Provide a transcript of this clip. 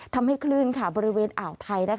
ทำให้คลื่นบริเวณอ่าวไทย